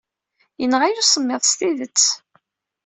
Yenɣa-iyi usemmiḍ s tidet.